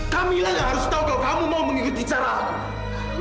kamila yang harus tau kalau kamu mau mengikuti cara aku